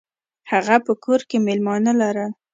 هغه په کور کې میلمانه لرل.